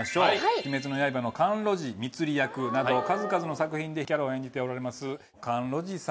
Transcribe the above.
『鬼滅の刃』の甘露寺蜜璃役など数々の作品でキャラを演じておられます。